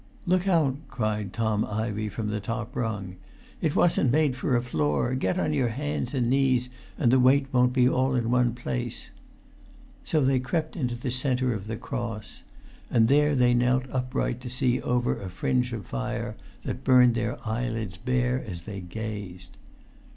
"Look out!" cried Tom Ivey from the top rung. "It wasn't made for a floor; get on your hands and knees, and the weight won't be all in one place." So they crept into the centre of the cross; and there they knelt upright to see over a fringe of fire that burnt their eyelids bare as they gazed.